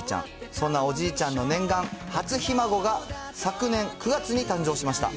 そんなおじいちゃんの念願、初ひ孫が昨年９月に誕生しました。